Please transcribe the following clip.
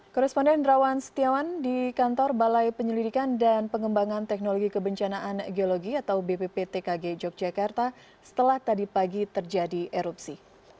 korresponden rawan setiawan di kantor balai penyelidikan dan pengembangan teknologi kebencanaan geologi atau bpptkg yogyakarta setelah tadi pagi terjadi erupsi